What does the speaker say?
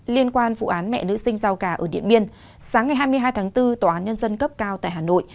liên quan vụ án mẹ nữ sinh giao cả ở điện biên sáng ngày hai mươi hai tháng bốn tòa án nhân dân cấp cao tại hà nội